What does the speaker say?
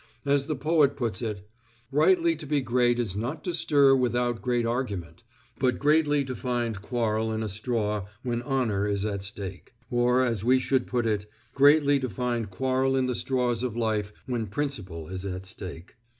As the poet puts it, "Rightly to be great is not to stir without great argument, but greatly to find quarrel in a straw when honor is at stake," or, as we should put it, greatly to find quarrel in the straws of life when principle is at stake.